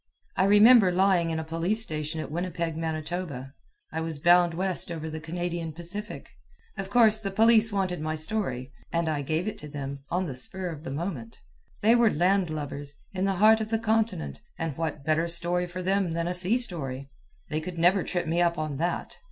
I remember lying in a police station at Winnipeg, Manitoba. I was bound west over the Canadian Pacific. Of course, the police wanted my story, and I gave it to them on the spur of the moment. They were landlubbers, in the heart of the continent, and what better story for them than a sea story? They could never trip me up on that.